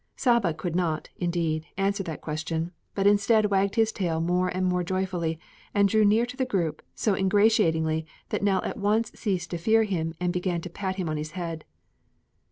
Saba could not, indeed, answer that question, but instead wagged his tail more and more joyfully and drew near to the group so ingratiatingly that Nell at once ceased to fear him and began to pat him on his head.